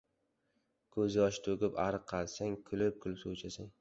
• Ko‘z yoshi to‘kib ariq qazisang, kulib-kulib suv ichasan.